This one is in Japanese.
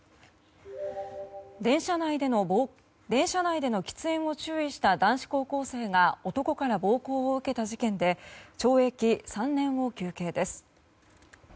電車内での喫煙を注意した男子高校生が男から暴行を受けた事件で懲役３年を求刑です。